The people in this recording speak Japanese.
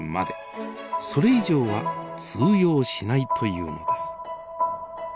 それ以上は通用しないというのです。